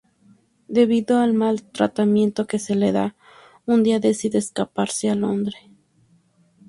Debido al mal tratamiento que se le da, un día decide escaparse a Londres.